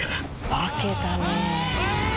化けたね。